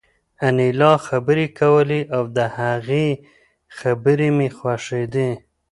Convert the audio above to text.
انیلا خبرې کولې او د هغې خبرې مې خوښېدې